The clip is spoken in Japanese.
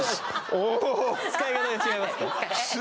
使い方が違いますか？